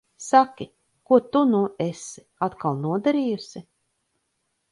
Saki, ko tu nu esi atkal nodarījusi?